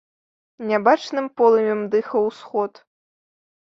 Нябачным полымем дыхаў усход.